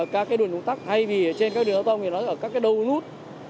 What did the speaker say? các cái đường đúng tắc hay vì trên các đường giao thông thì nó ở các cái đầu nút